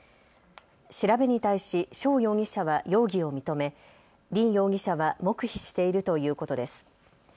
調べに対し肖容疑者は容疑を認め林容疑者は黙秘しているということです。